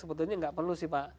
sebetulnya nggak perlu sih pak